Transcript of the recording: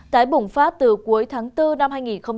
tại bùng phát từ cuối tháng bốn năm hai nghìn hai mươi một